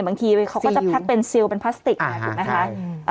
บางทีเขาก็จะแพ็คเป็นซิลเป็นพลาสติกถูกไหมคะ